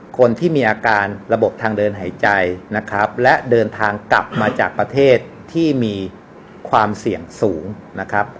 คนที่มีอาการระบบทางเดินหายใจนะครับและเดินทางกลับมาจากประเทศที่มีความเสี่ยงสูงนะครับ